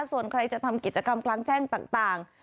ส่วนใครจะทำกิจกรรมกลางแจ้งต่าง